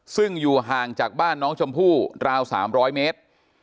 ซึ่งอยู่ห่างจากบ้านน้องชมพู่ราว๓๐๐เมตร